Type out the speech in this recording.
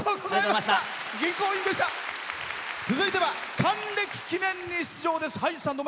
続いては還暦記念に出場です。